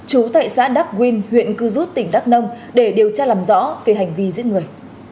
chú tại xã đắk nguyên huyện cư rút tỉnh đắk nông để điều tra làm rõ về hành vi giết người